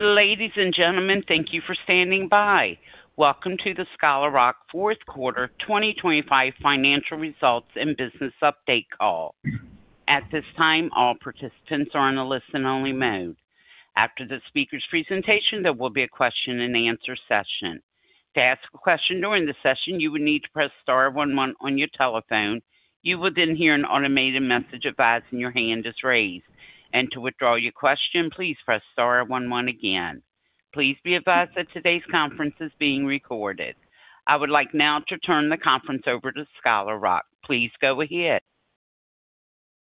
Ladies and gentlemen, thank you for standing by. Welcome to the Scholar Rock Fourth Quarter 2025 Financial Results and business update call. At this time, all participants are on a listen-only mode. After the speaker's presentation, there will be a question-and-answer session. To ask a question during the session, you would need to press star one one on your telephone. You will then hear an automated message advising your hand is raised. To withdraw your question, please press star one one again. Please be advised that today's conference is being recorded. I would like now to turn the conference over to Scholar Rock. Please go ahead.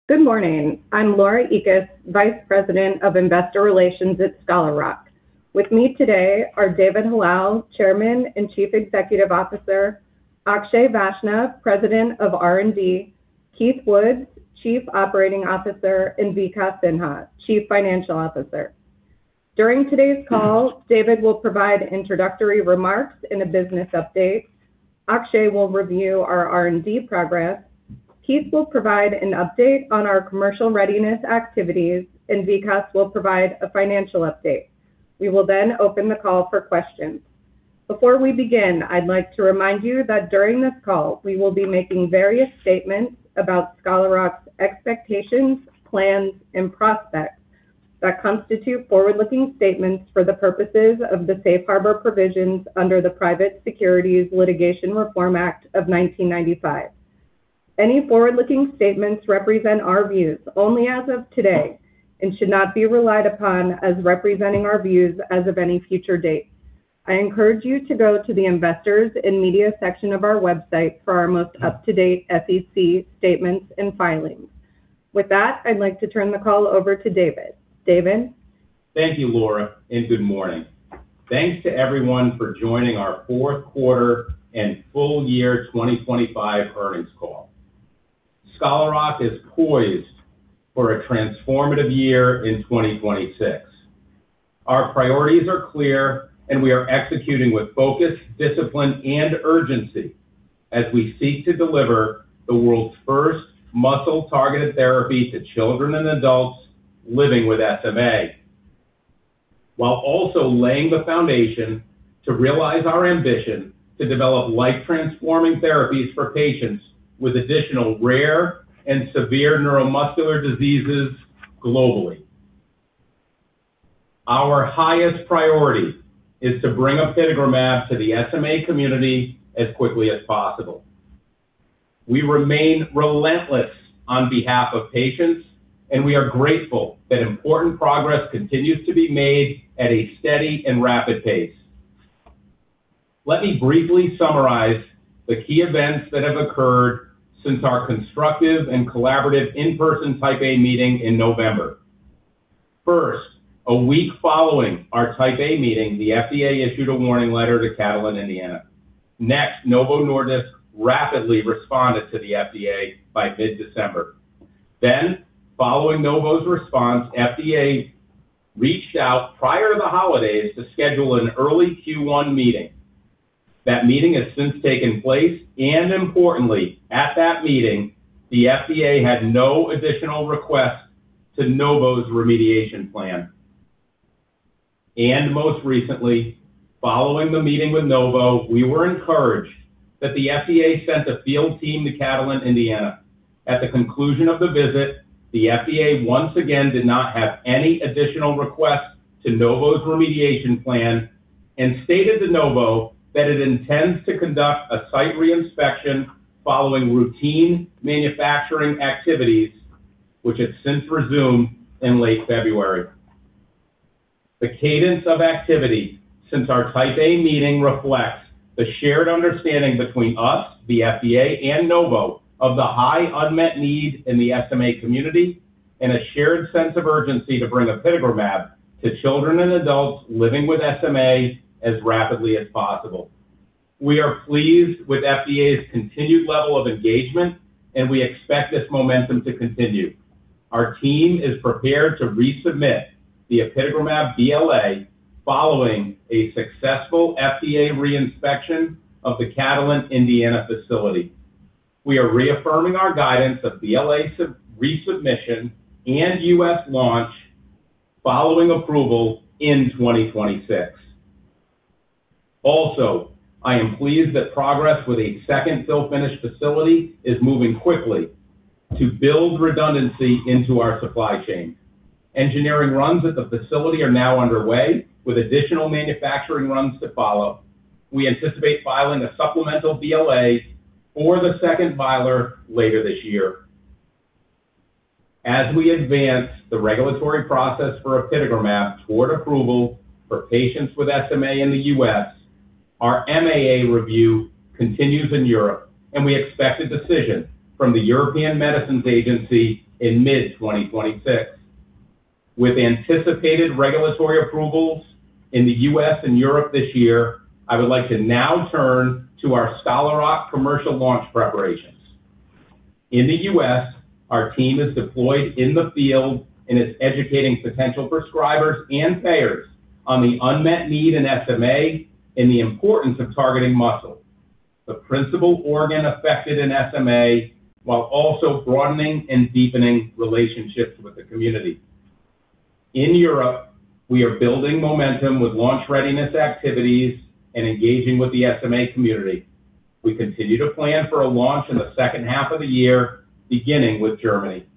Good morning. I'm Laura Ekas, Vice President of Investor Relations at Scholar Rock. With me today are David Hallal, Chairman and Chief Executive Officer, Akshay Vaishnaw, President of R&D, Keith Woods, Chief Operating Officer, and Vikas Sinha, Chief Financial Officer. During today's call, David will provide introductory remarks in a business update. Akshay will review our R&D progress. Keith will provide an update on our commercial readiness activities, and Vikas will provide a financial update. We will then open the call for questions. Before we begin, I'd like to remind you that during this call, we will be making various statements about Scholar Rock's expectations, plans, and prospects that constitute forward-looking statements for the purposes of the safe harbor provisions under the Private Securities Litigation Reform Act of 1995. Any forward-looking statements represent our views only as of today and should not be relied upon as representing our views as of any future date. I encourage you to go to the Investors and Media section of our website for our most up-to-date SEC statements and filings. With that, I'd like to turn the call over to David. David? Thank you, Laura. Good morning. Thanks to everyone for joining our fourth quarter and full year 2025 earnings call. Scholar Rock is poised for a transformative year in 2026. Our priorities are clear. We are executing with focus, discipline, and urgency as we seek to deliver the world's first muscle-targeted therapy to children and adults living with SMA, while also laying the foundation to realize our ambition to develop life-transforming therapies for patients with additional rare and severe neuromuscular diseases globally. Our highest priority is to bring apitegromab to the SMA community as quickly as possible. We remain relentless on behalf of patients. We are grateful that important progress continues to be made at a steady and rapid pace. Let me briefly summarize the key events that have occurred since our constructive and collaborative in-person Type A meeting in November. A week following our Type A meeting, the FDA issued a warning letter to Catalent Indiana. Novo Nordisk rapidly responded to the FDA by mid-December. Following Novo's response, FDA reached out prior to the holidays to schedule an early Q1 meeting. That meeting has since taken place, and importantly, at that meeting, the FDA had no additional requests to Novo's remediation plan. Most recently, following the meeting with Novo, we were encouraged that the FDA sent a field team to Catalent Indiana. At the conclusion of the visit, the FDA once again did not have any additional requests to Novo's remediation plan and stated to Novo that it intends to conduct a site reinspection following routine manufacturing activities, which have since resumed in late February. The cadence of activity since our Type A meeting reflects the shared understanding between us, the FDA, and Novo of the high unmet need in the SMA community and a shared sense of urgency to bring apitegromab to children and adults living with SMA as rapidly as possible. We are pleased with FDA's continued level of engagement, and we expect this momentum to continue. Our team is prepared to resubmit the apitegromab BLA following a successful FDA reinspection of the Catalent Indiana facility. We are reaffirming our guidance of BLA sub-resubmission and U.S. launch following approval in 2026. Also, I am pleased that progress with a second fill finish facility is moving quickly to build redundancy into our supply chain. Engineering runs at the facility are now underway with additional manufacturing runs to follow. We anticipate filing a supplemental BLA for the second filer later this year. As we advance the regulatory process for apitegromab toward approval for patients with SMA in the U.S., our MAA review continues in Europe. We expect a decision from the European Medicines Agency in mid-2026. With anticipated regulatory approvals in the U.S. and Europe this year, I would like to now turn to our Scholar Rock commercial launch preparations. In the U.S., our team is deployed in the field and is educating potential prescribers and payers on the unmet need in SMA and the importance of targeting muscle, the principal organ affected in SMA, while also broadening and deepening relationships with the community. In Europe, we are building momentum with launch readiness activities and engaging with the SMA community. We continue to plan for a launch in the second half of the year, beginning with Germany.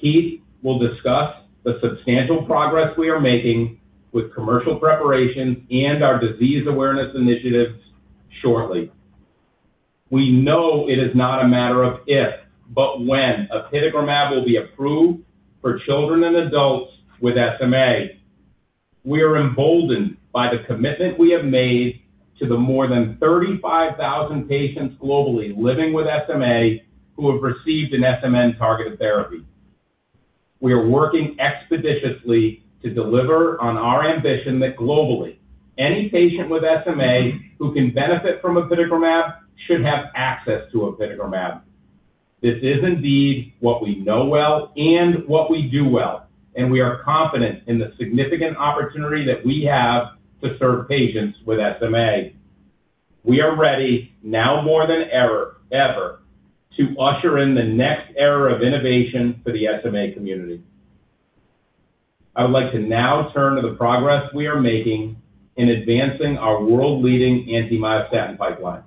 Keith will discuss the substantial progress we are making with commercial preparations and our disease awareness initiatives shortly. We know it is not a matter of if, but when apitegromab will be approved for children and adults with SMA. We are emboldened by the commitment we have made to the more than 35,000 patients globally living with SMA who have received an SMN-targeted therapy. We are working expeditiously to deliver on our ambition that globally, any patient with SMA who can benefit from apitegromab should have access to apitegromab. This is indeed what we know well and what we do well, and we are confident in the significant opportunity that we have to serve patients with SMA. We are ready now more than ever to usher in the next era of innovation for the SMA community. I would like to now turn to the progress we are making in advancing our world-leading anti-myostatin pipeline.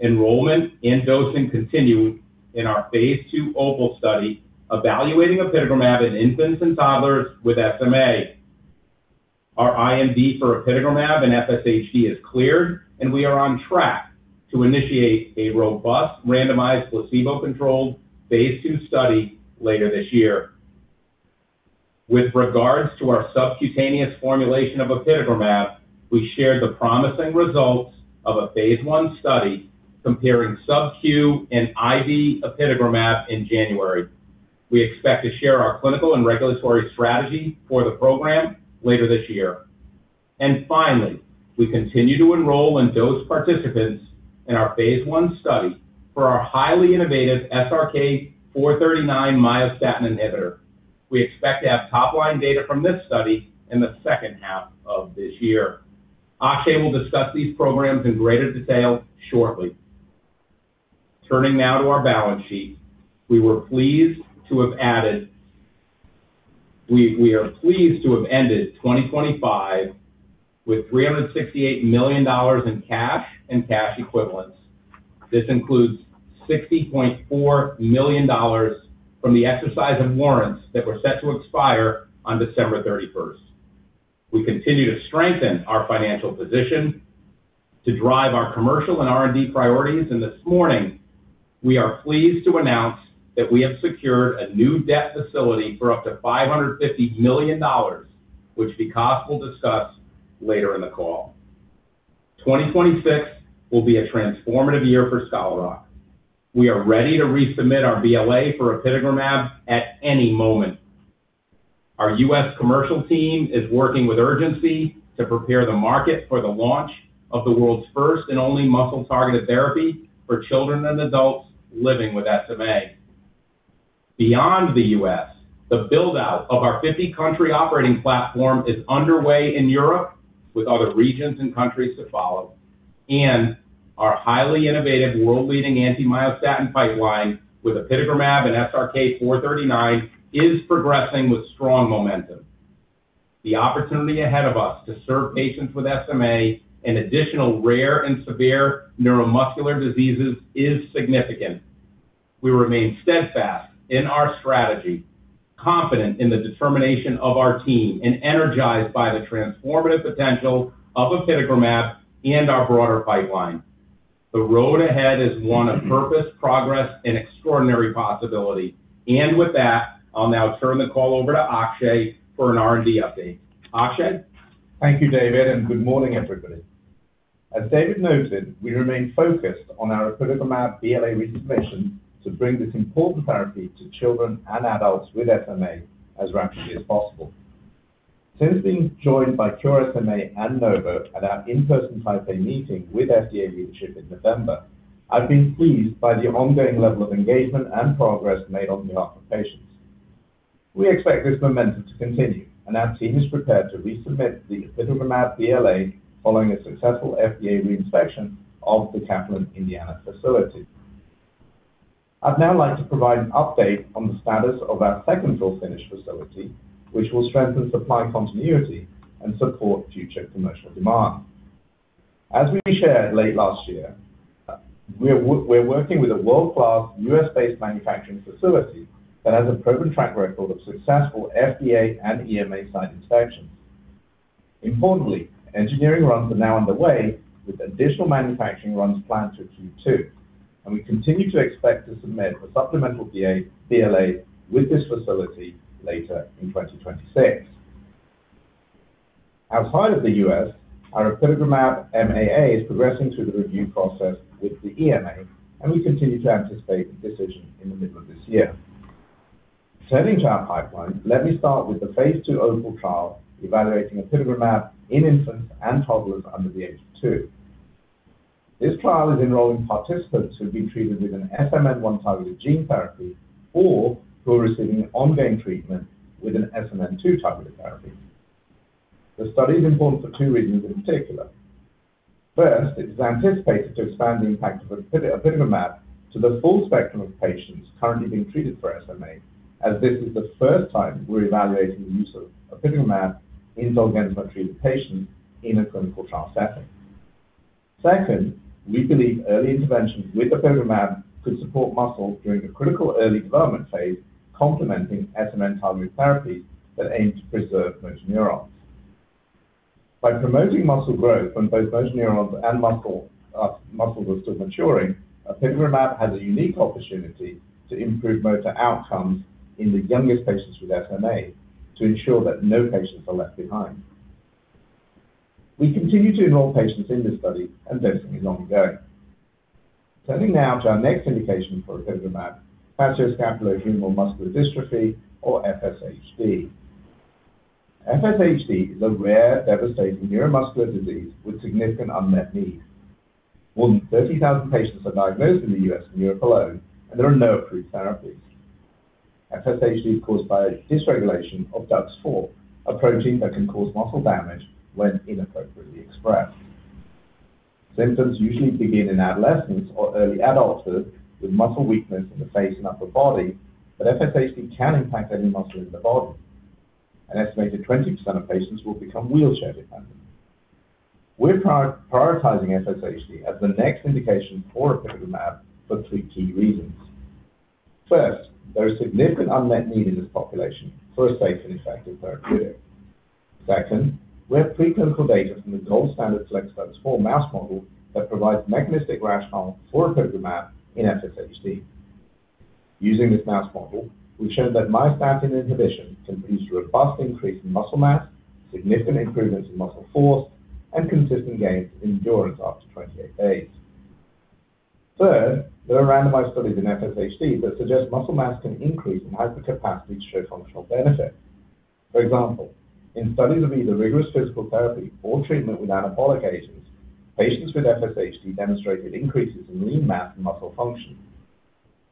Enrollment and dosing continue in our phase II OPAL study evaluating apitegromab in infants and toddlers with SMA. Our IND for apitegromab and FSHD is cleared, and we are on track to initiate a robust randomized placebo-controlled phase II study later this year. With regards to our subcutaneous formulation of apitegromab, we shared the promising results of a phase I study comparing subq and IV apitegromab in January. We expect to share our clinical and regulatory strategy for the program later this year. Finally, we continue to enroll and dose participants in our phase I study for our highly innovative SRK-439 myostatin inhibitor. We expect to have top-line data from this study in the second half of this year. Akshay will discuss these programs in greater detail shortly. Turning now to our balance sheet. We are pleased to have ended 2025 with $368 million in cash and cash equivalents. This includes $60.4 million from the exercise of warrants that were set to expire on December 31st. We continue to strengthen our financial position to drive our commercial and R&D priorities. This morning, we are pleased to announce that we have secured a new debt facility for up to $550 million, which Vikas will discuss later in the call. 2026 will be a transformative year for Scholar Rock. We are ready to resubmit our BLA for apitegromab at any moment. Our U.S. commercial team is working with urgency to prepare the market for the launch of the world's first and only muscle-targeted therapy for children and adults living with SMA. Beyond the U.S., the build-out of our 50-country operating platform is underway in Europe, with other regions and countries to follow. Our highly innovative world-leading anti-myostatin pipeline with apitegromab and SRK-439 is progressing with strong momentum. The opportunity ahead of us to serve patients with SMA and additional rare and severe neuromuscular diseases is significant. We remain steadfast in our strategy, confident in the determination of our team, and energized by the transformative potential of apitegromab and our broader pipeline. The road ahead is one of purpose, progress, and extraordinary possibility. With that, I'll now turn the call over to Akshay for an R&D update. Akshay? Thank you, David. Good morning, everybody. As David noted, we remain focused on our apitegromab BLA resubmission to bring this important therapy to children and adults with SMA as rapidly as possible. Since being joined by Cure SMA and Novo at our in-person Type A meeting with FDA leadership in November, I've been pleased by the ongoing level of engagement and progress made on behalf of patients. We expect this momentum to continue. Our team is prepared to resubmit the apitegromab BLA following a successful FDA reinspection of the Catalent Indiana facility. I'd now like to provide an update on the status of our second fill-finish facility, which will strengthen supply continuity and support future commercial demand. As we shared late last year, we're working with a world-class U.S.-based manufacturing facility that has a proven track record of successful FDA and EMA site inspections. Importantly, engineering runs are now underway with additional manufacturing runs planned for Q2, and we continue to expect to submit the supplemental sBLA with this facility later in 2026. Outside of the U.S., our apitegromab MAA is progressing through the review process with the EMA, and we continue to anticipate a decision in the middle of this year. Turning to our pipeline, let me start with the phase II OPAL trial evaluating apitegromab in infants and toddlers under the age of two. This trial is enrolling participants who have been treated with an SMN1-targeted gene therapy or who are receiving ongoing treatment with an SMN2-targeted therapy. The study is important for two reasons in particular. First, it is anticipated to expand the impact of apitegromab to the full spectrum of patients currently being treated for SMA, as this is the first time we're evaluating the use of apitegromab in solvent untreated patients in a clinical trial setting. Second, we believe early intervention with apitegromab could support muscle during the critical early development phase, complementing SMN-targeted therapies that aim to preserve motor neurons. By promoting muscle growth when both motor neurons and muscle are still maturing, apitegromab has a unique opportunity to improve motor outcomes in the youngest patients with SMA to ensure that no patients are left behind. We continue to enroll patients in this study, and dosing is ongoing. Turning now to our next indication for apitegromab, facioscapulohumeral muscular dystrophy or FSHD. FSHD is a rare, devastating neuromuscular disease with significant unmet need. More than 30,000 patients are diagnosed in the U.S. and Europe alone, and there are no approved therapies. FSHD is caused by dysregulation of DUX4, a protein that can cause muscle damage when inappropriately expressed. Symptoms usually begin in adolescence or early adulthood with muscle weakness in the face and upper body. FSHD can impact any muscle in the body. An estimated 20% of patients will become wheelchair-dependent. We're prioritizing FSHD as the next indication for apitegromab for three key reasons. First, there is significant unmet need in this population for a safe and effective therapeutic. Second, we have preclinical data from the gold standard FLExDUX4 mouse model that provides mechanistic rationale for apitegromab in FSHD. Using this mouse model, we've shown that myostatin inhibition can produce a robust increase in muscle mass, significant improvements in muscle force, and consistent gains in endurance up to 28 days. Third, there are randomized studies in FSHD that suggest muscle mass can increase in hypercapacity to show functional benefit. For example, in studies of either rigorous physical therapy or treatment with anabolic agents, patients with FSHD demonstrated increases in lean mass and muscle function.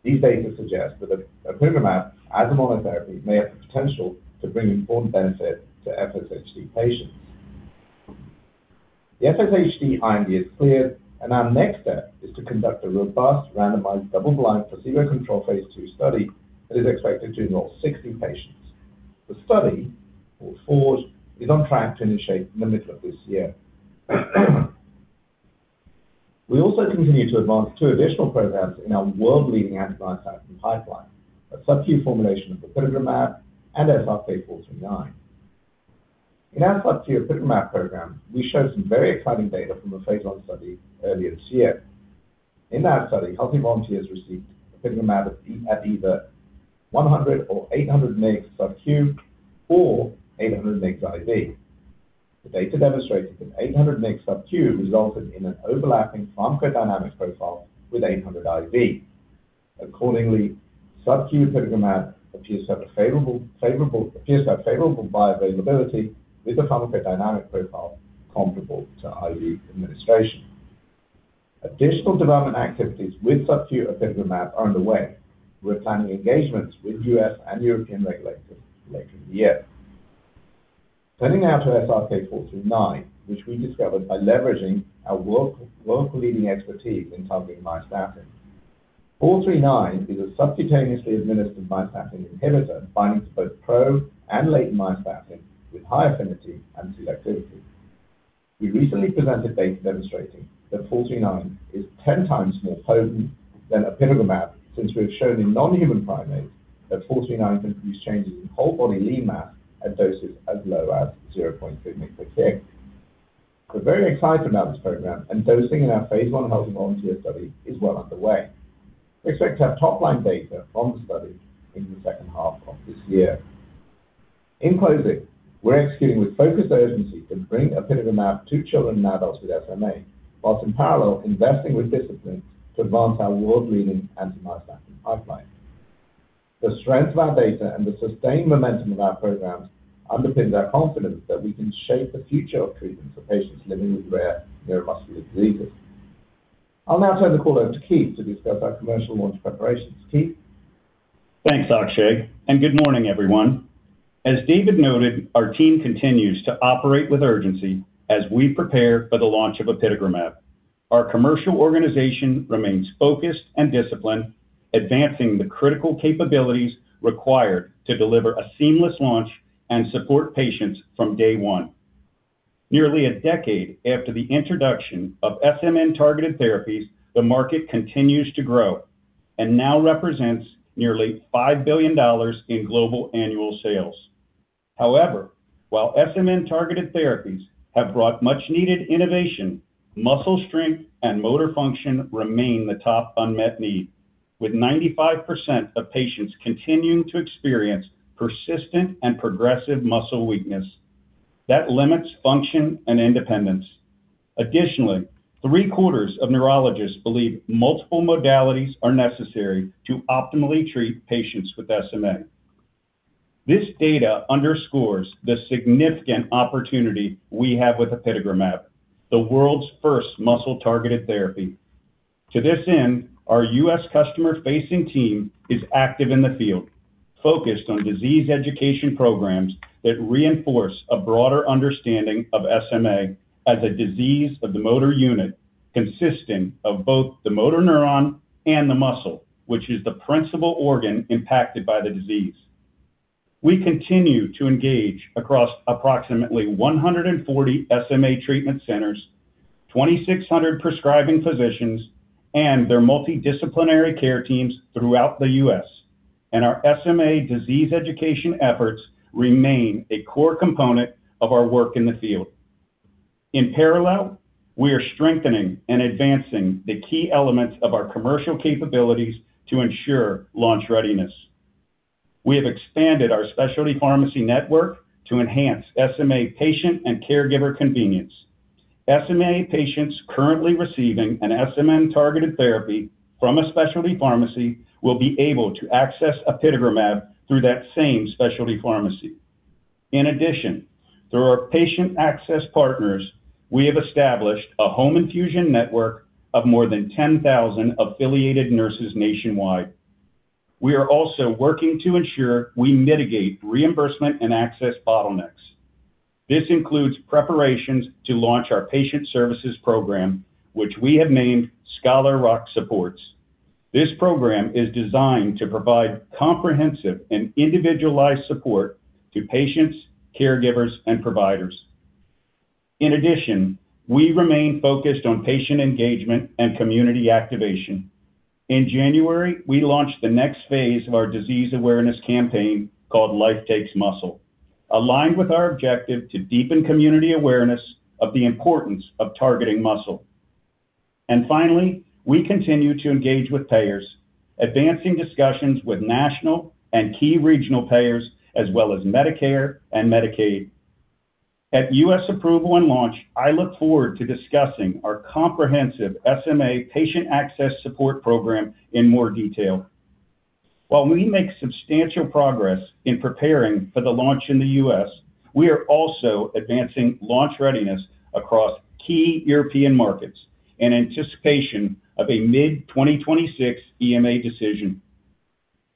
These data suggest that apitegromab as a monotherapy may have the potential to bring important benefit to FSHD patients. The FSHD IND is cleared, and our next step is to conduct a robust randomized double-blind placebo-controlled phase II study that is expected to enroll 60 patients. The study, called FORGE, is on track to initiate in the middle of this year. We also continue to advance two additional programs in our world-leading anti-myostatin pipeline, a subcu formulation of apitegromab and SRK-439. In our subcu apitegromab program, we showed some very exciting data from a phase I study earlier this year. In that study, healthy volunteers received apitegromab at either 100 or 800 mg subcu or 800 mg IV. The data demonstrated that 800 mg subcu resulted in an overlapping pharmacodynamic profile with 800 IV. Accordingly, subcu apitegromab appears to have a favorable bioavailability with a pharmacodynamic profile comparable to IV administration. Additional development activities with subcu apitegromab are underway. We're planning engagements with U.S. and European regulators later in the year. Turning now to SRK-439, which we discovered by leveraging our world-leading expertise in targeting myostatin. SRK-439 is a subcutaneously administered myostatin inhibitor binding to both pro and latent myostatin with high affinity and selectivity. We recently presented data demonstrating that SRK-439 is 10 times more potent than apitegromab since we have shown in non-human primates that SRK-439 can produce changes in whole body lean mass at doses as low as 0.3 mg per kg. We're very excited about this program, and dosing in our phase I healthy volunteers study is well underway. We expect to have top-line data from the study in the second half of this year. In closing, we're executing with focused urgency to bring apitegromab to children and adults with SMA, while in parallel investing with discipline to advance our world-leading anti-myostatin pipeline. The strength of our data and the sustained momentum of our programs underpins our confidence that we can shape the future of treatment for patients living with rare neuromuscular diseases. I'll now turn the call over to Keith to discuss our commercial launch preparations. Keith? Thanks, Akshay, good morning, everyone. As David noted, our team continues to operate with urgency as we prepare for the launch of apitegromab. Our commercial organization remains focused and disciplined, advancing the critical capabilities required to deliver a seamless launch and support patients from day one. Nearly a decade after the introduction of SMN-targeted therapies, the market continues to grow and now represents nearly $5 billion in global annual sales. While SMN-targeted therapies have brought much-needed innovation, muscle strength and motor function remain the top unmet need. With 95% of patients continuing to experience persistent and progressive muscle weakness, that limits function and independence. Three-quarters of neurologists believe multiple modalities are necessary to optimally treat patients with SMA. This data underscores the significant opportunity we have with apitegromab, the world's first muscle-targeted therapy. To this end, our U.S. customer-facing team is active in the field, focused on disease education programs that reinforce a broader understanding of SMA as a disease of the motor unit, consistent of both the motor neuron and the muscle, which is the principal organ impacted by the disease. We continue to engage across approximately 140 SMA treatment centers, 2,600 prescribing physicians, and their multidisciplinary care teams throughout the U.S. Our SMA disease education efforts remain a core component of our work in the field. In parallel, we are strengthening and advancing the key elements of our commercial capabilities to ensure launch readiness. We have expanded our specialty pharmacy network to enhance SMA patient and caregiver convenience. SMA patients currently receiving an SMN targeted therapy from a specialty pharmacy will be able to access apitegromab through that same specialty pharmacy. Through our patient access partners, we have established a home infusion network of more than 10,000 affiliated nurses nationwide. We are also working to ensure we mitigate reimbursement and access bottlenecks. This includes preparations to launch our patient services program, which we have named Scholar Rock Supports. This program is designed to provide comprehensive and individualized support to patients, caregivers, and providers. We remain focused on patient engagement and community activation. In January, we launched the next phase of our disease awareness campaign called Life Takes Muscle, aligned with our objective to deepen community awareness of the importance of targeting muscle. Finally, we continue to engage with payers, advancing discussions with national and key regional payers, as well as Medicare and Medicaid. At U.S. approval and launch, I look forward to discussing our comprehensive SMA patient access support program in more detail. While we make substantial progress in preparing for the launch in the U.S., we are also advancing launch readiness across key European markets in anticipation of a mid-2026 EMA decision.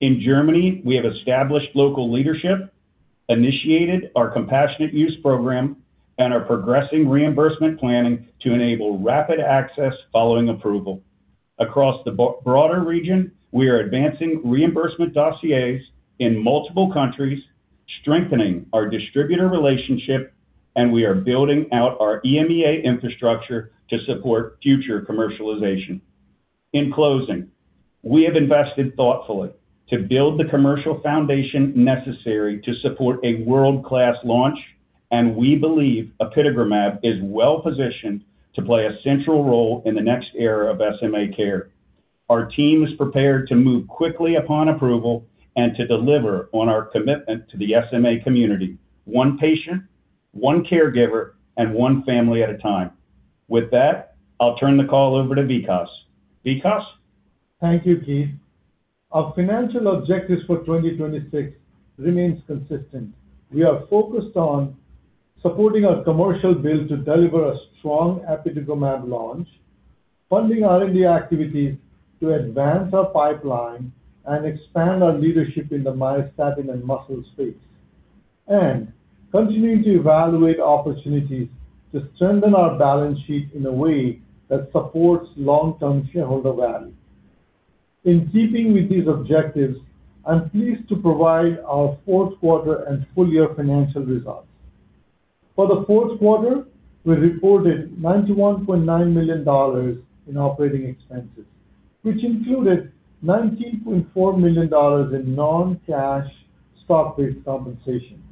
In Germany, we have established local leadership, initiated our compassionate use program, and are progressing reimbursement planning to enable rapid access following approval. Across the broader region, we are advancing reimbursement dossiers in multiple countries, strengthening our distributor relationship, and we are building out our EMEA infrastructure to support future commercialization. In closing, we have invested thoughtfully to build the commercial foundation necessary to support a world-class launch. We believe apitegromab is well-positioned to play a central role in the next era of SMA care. Our team is prepared to move quickly upon approval and to deliver on our commitment to the SMA community, one patient, one caregiver, and one family at a time. With that, I'll turn the call over to Vikas. Vikas? Thank you, Keith. Our financial objectives for 2026 remains consistent. We are focused on supporting our commercial build to deliver a strong apitegromab launch, funding R&D activities to advance our pipeline and expand our leadership in the myostatin and muscle space, and continuing to evaluate opportunities to strengthen our balance sheet in a way that supports long-term shareholder value. In keeping with these objectives, I'm pleased to provide our fourth quarter and full-year financial results. For the fourth quarter, we reported $91.9 million in operating expenses, which included $90.4 million in non-cash stock-based compensation.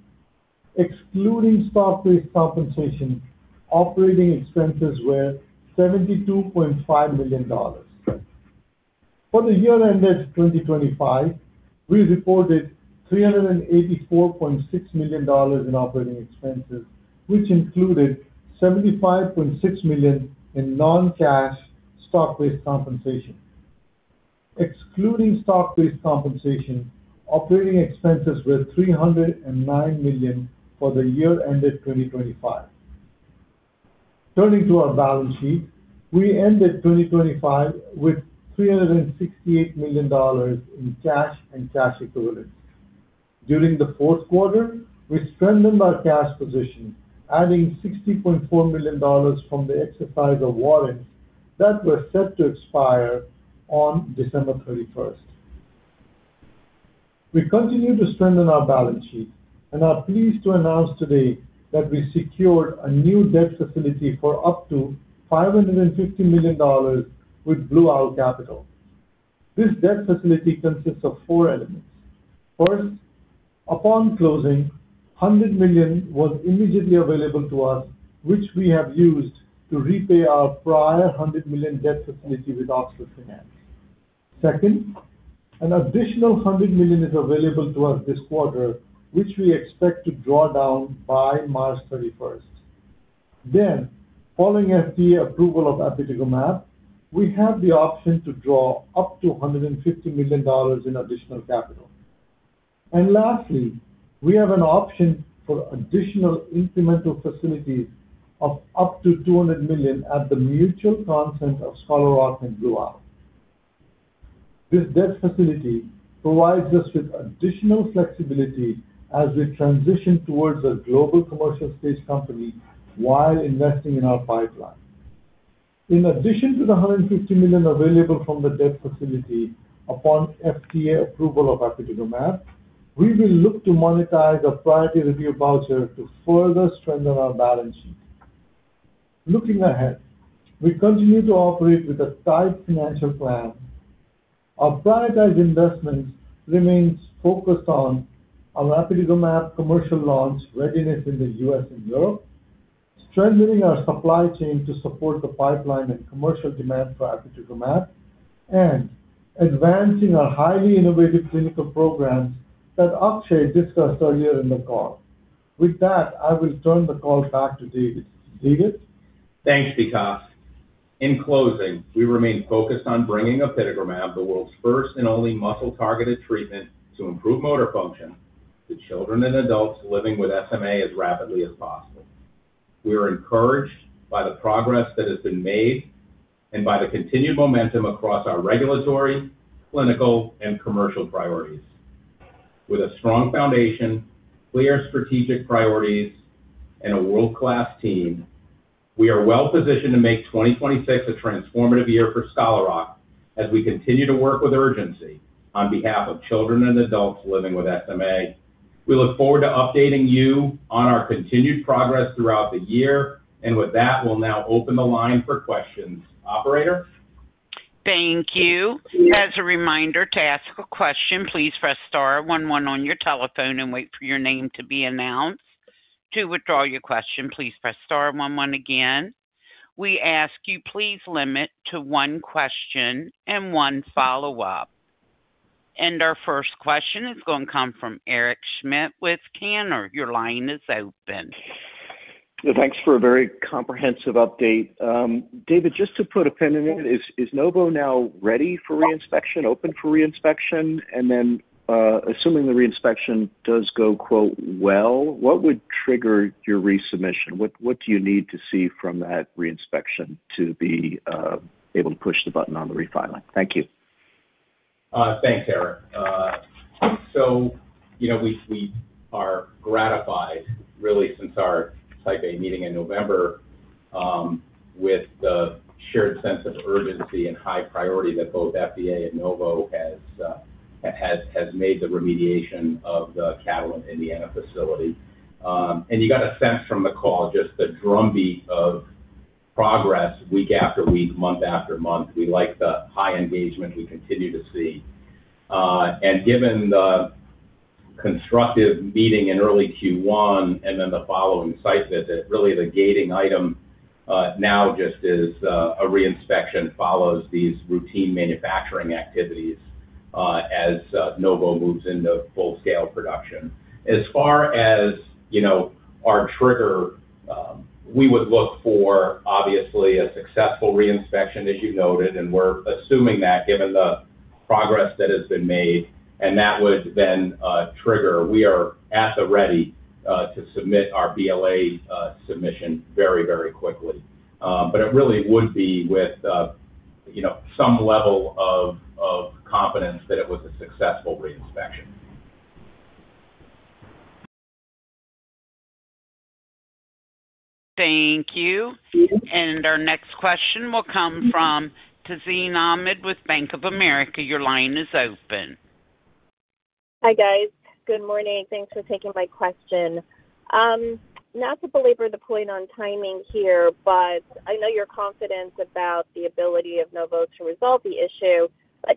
Excluding stock-based compensation, operating expenses were $72.5 million. For the year ended 2025, we reported $384.6 million in operating expenses, which included $75.6 million in non-cash stock-based compensation. Excluding stock-based compensation, operating expenses were $309 million for the year ended 2025. Turning to our balance sheet, we ended 2025 with $368 million in cash and cash equivalents. During the fourth quarter, we strengthened our cash position, adding $60.4 million from the exercise of warrants that were set to expire on December 31st. We continue to strengthen our balance sheet and are pleased to announce today that we secured a new debt facility for up to $550 million with Blue Owl Capital. This debt facility consists of four elements. First, upon closing, $100 million was immediately available to us, which we have used to repay our prior $100 million debt facility with Oxford Finance. Second, an additional $100 million is available to us this quarter, which we expect to draw down by March 31st. Following FDA approval of apitegromab, we have the option to draw up to $150 million in additional capital. Lastly, we have an option for additional incremental facilities of up to $200 million at the mutual consent of Scholar Rock and BlueRock. This debt facility provides us with additional flexibility as we transition towards a global commercial stage company while investing in our pipeline. In addition to the $150 million available from the debt facility upon FDA approval of apitegromab, we will look to monetize a Priority Review Voucher to further strengthen our balance sheet. Looking ahead, we continue to operate with a tight financial plan. Our prioritized investment remains focused on our apitegromab commercial launch readiness in the U.S. and Europe, strengthening our supply chain to support the pipeline and commercial demand for apitegromab, and advancing our highly innovative clinical programs that Akshay discussed earlier in the call. With that, I will turn the call back to David. David? Thanks, Vikas. In closing, we remain focused on bringing apitegromab, the world's first and only muscle-targeted treatment to improve motor function to children and adults living with SMA as rapidly as possible. We are encouraged by the progress that has been made and by the continued momentum across our regulatory, clinical, and commercial priorities. With a strong foundation, clear strategic priorities, and a world-class team, we are well positioned to make 2026 a transformative year for Scholar Rock as we continue to work with urgency on behalf of children and adults living with SMA. We look forward to updating you on our continued progress throughout the year. With that, we'll now open the line for questions. Operator? Thank you. As a reminder, to ask a question, please press star one one on your telephone and wait for your name to be announced. To withdraw your question, please press star one one again. We ask you please limit to one question and one follow-up. Our first question is gonna come from Eric Schmidt with Cantor. Your line is open. Thanks for a very comprehensive update. David, just to put a pin in it, is Novo now ready for re-inspection, open for re-inspection? Assuming the re-inspection does go quote well, what would trigger your resubmission? What do you need to see from that re-inspection to be able to push the button on the refiling? Thank you. Thanks, Eric. You know, we are gratified really since our Type A meeting in November with the shared sense of urgency and high priority that both FDA and Novo has made the remediation of the Catalent Indiana facility. You got a sense from the call just the drumbeat of progress week after week, month after month. We like the high engagement we continue to see. Given the constructive meeting in early Q1 and then the following site visit, really the gating item now just is a re-inspection follows these routine manufacturing activities as Novo moves into full-scale production. As far as, you know, our trigger, we would look for obviously a successful re-inspection, as you noted, and we're assuming that given the progress that has been made, and that would then trigger. We are at the ready, to submit our BLA submission very, very quickly. It really would be with, you know, some level of confidence that it was a successful re-inspection. Thank you. Our next question will come from Tazeen Ahmad with Bank of America. Your line is open. Hi, guys. Good morning. Thanks for taking my question. Not to belabor the point on timing here, I know you're confident about the ability of Novo to resolve the issue.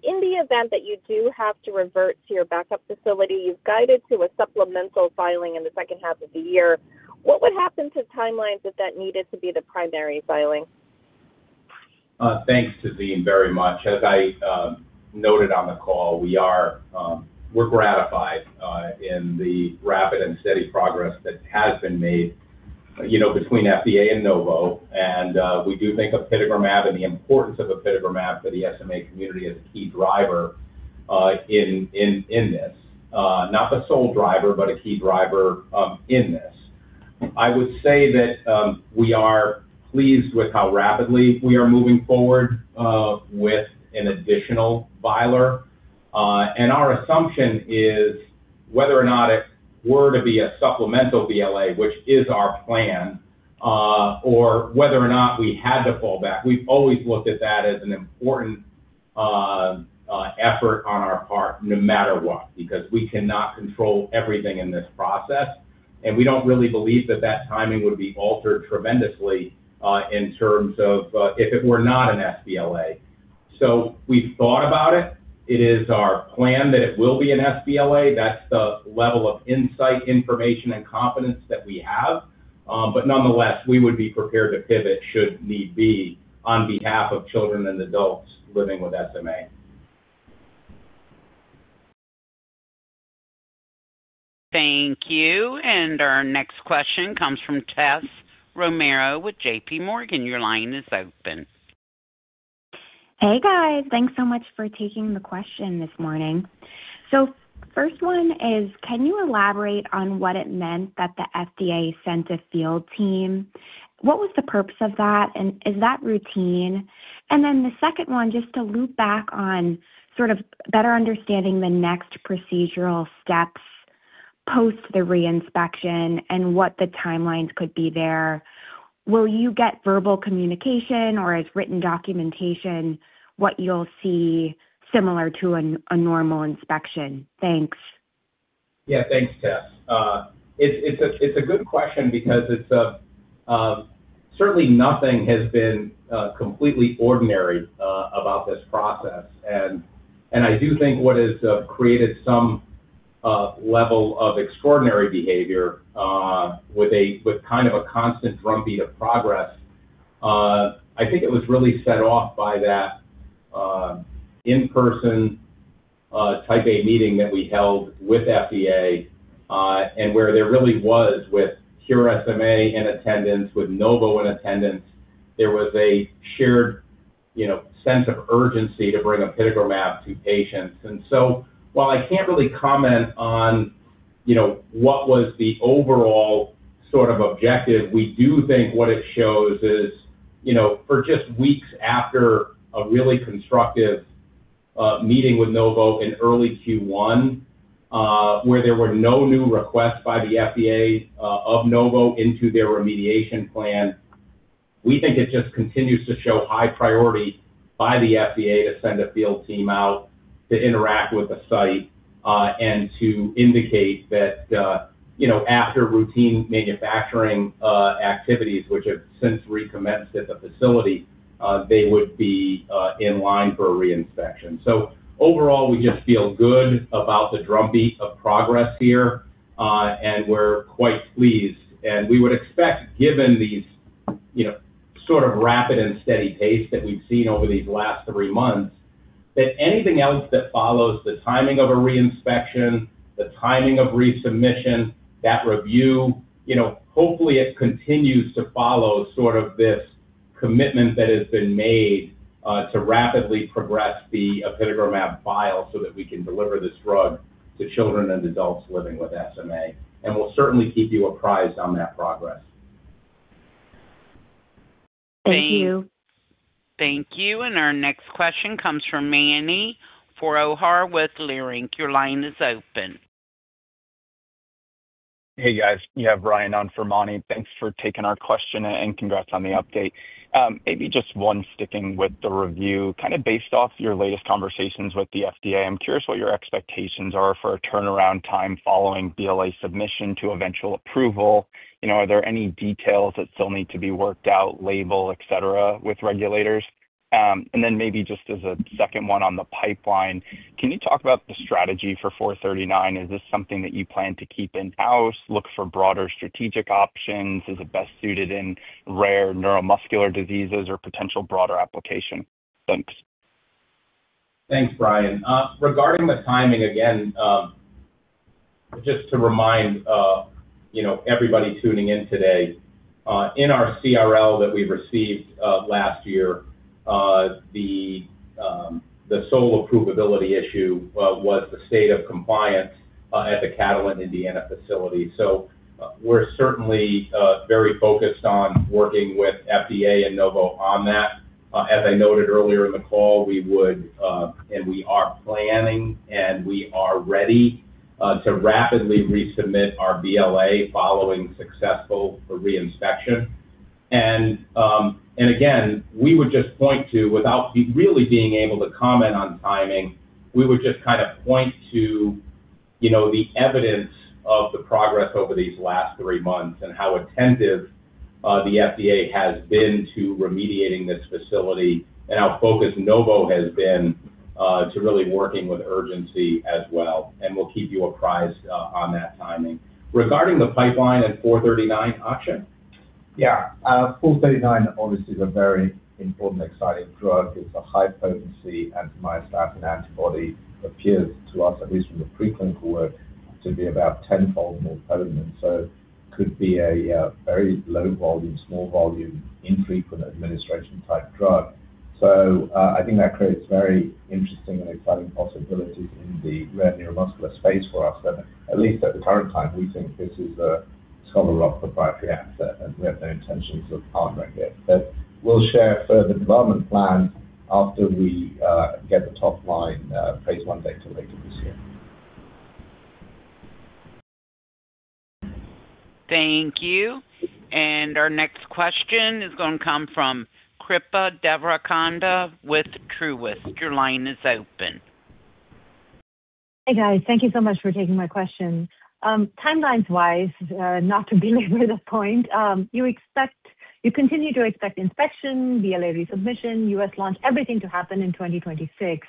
In the event that you do have to revert to your backup facility, you've guided to a supplemental filing in the second half of the year. What would happen to timelines if that needed to be the primary filing? Thanks, Tazeen, very much. As I noted on the call, we are we're gratified in the rapid and steady progress that has been made, you know, between FDA and Novo. We do think apitegromab and the importance of apitegromab for the SMA community is a key driver in this. Not the sole driver, but a key driver in this. I would say that we are pleased with how rapidly we are moving forward with an additional filer. Our assumption is whether or not it were to be a supplemental BLA, which is our plan, or whether or not we had to fall back, we've always looked at that as an important effort on our part no matter what, because we cannot control everything in this process, and we don't really believe that that timing would be altered tremendously in terms of if it were not an sBLA. We've thought about it. It is our plan that it will be an sBLA. That's the level of insight, information, and confidence that we have. Nonetheless, we would be prepared to pivot should need be on behalf of children and adults living with SMA. Thank you. Our next question comes from Tessa Romero with JPMorgan. Your line is open. Hey, guys. Thanks so much for taking the question this morning. First one is, can you elaborate on what it meant that the FDA sent a field team? What was the purpose of that, and is that routine? The second one, just to loop back on sort of better understanding the next procedural steps post the re-inspection and what the timelines could be there. Will you get verbal communication or as written documentation, what you'll see similar to a normal inspection? Thanks. Yeah. Thanks, Tess. it's a good question because it's, certainly nothing has been, completely ordinary, about this process. I do think what has, created some, level of extraordinary behavior, with kind of a constant drumbeat of progress, I think it was really set off by that, in-person, Type A meeting that we held with FDA, and where there really was with Cure SMA in attendance, with Novo in attendance, there was a shared, you know, sense of urgency to bring apitegromab to patients. While I can't really comment on, you know, what was the overall sort of objective, we do think what it shows is, you know, for just weeks after a really constructive meeting with Novo in early Q1, where there were no new requests by the FDA of Novo into their remediation plan, we think it just continues to show high priority by the FDA to send a field team out to interact with the site, and to indicate that, you know, after routine manufacturing activities, which have since recommenced at the facility, they would be in line for a re-inspection. Overall, we just feel good about the drumbeat of progress here, and we're quite pleased. We would expect, given these, you know, sort of rapid and steady pace that we've seen over these last three months, that anything else that follows the timing of a re-inspection, the timing of resubmission, that review, you know, hopefully it continues to follow sort of this commitment that has been made to rapidly progress the apitegromab file so that we can deliver this drug to children and adults living with SMA. We'll certainly keep you apprised on that progress. Thank you. Thank you. Our next question comes from Mani Foroohar with Leerink Partners. Your line is open. Hey, guys. You have Brian on for Mani. Thanks for taking our question. Congrats on the update. Maybe just one sticking with the review. Kind of based off your latest conversations with the FDA, I'm curious what your expectations are for a turnaround time following BLA submission to eventual approval. You know, are there any details that still need to be worked out, label, et cetera, with regulators? Maybe just as a second one on the pipeline, can you talk about the strategy for SRK-439? Is this something that you plan to keep in-house, look for broader strategic options? Is it best suited in rare neuromuscular diseases or potential broader application? Thanks. Thanks, Brian. Regarding the timing, again, just to remind, you know, everybody tuning in today, in our CRL that we received last year, the sole approvability issue was the state of compliance at the Catalent Indiana facility. We're certainly very focused on working with FDA and Novo on that. As I noted earlier in the call, we would and we are planning, and we are ready to rapidly resubmit our BLA following successful reinspection. Again, we would just point to, without really being able to comment on timing, we would just kind of point to, you know, the evidence of the progress over these last three months and how attentive the FDA has been to remediating this facility and how focused Novo has been to really working with urgency as well. We'll keep you apprised on that timing. Regarding the pipeline at 439, Akshay? Yeah. 439 obviously is a very important and exciting drug. It's a high potency anti-myostatin antibody, appears to us, at least from the preclinical work, to be about tenfold more potent. Could be a very low volume, small volume, infrequent administration type drug. I think that creates very interesting and exciting possibilities in the rare neuromuscular space for us. At least at the current time, we think this is a Scholar Rock proprietary asset, and we have no intentions of partnering it. We'll share further development plan after we get the top line phase I data later this year. Thank you. Our next question is gonna come from Kripa Devarakonda with Truist. Your line is open. Hey, guys. Thank you so much for taking my question. Timelines wise, not to belabor the point, you continue to expect inspection, BLA resubmission, US launch, everything to happen in 2026.